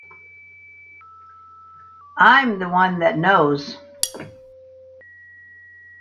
I'm the one that knows.